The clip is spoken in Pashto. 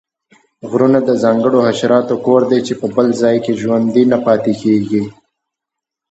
غرونه د ځانګړو حشراتو کور دی چې په بل ځاې کې ژوندي نه پاتیږي